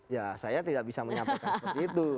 ya saya tidak bisa menyampaikan seperti itu